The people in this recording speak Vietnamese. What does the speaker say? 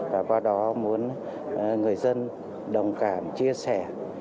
và qua đó muốn người dân đồng cảm chia sẻ